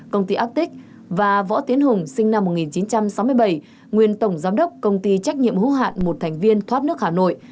công ty actic và võ tiến hùng sinh năm một nghìn chín trăm sáu mươi bảy nguyên tổng giám đốc công ty trách nhiệm hữu hạn một thành viên thoát nước hà nội